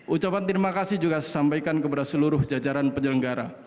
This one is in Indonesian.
ucapan terima kasih juga saya sampaikan kepada seluruh jajaran penyelenggara